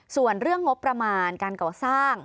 ส่วนเรื่องงบประมาณการก่อสร้าง